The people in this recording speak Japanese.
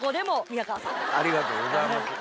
ありがとうございます。